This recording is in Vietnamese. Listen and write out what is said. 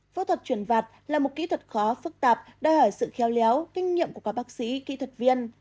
phẫu thuật chuyển vạt là một kỹ thuật khó phức tạp đòi hỏi sự khéo léo kinh nghiệm của các bác sĩ kỹ thuật viên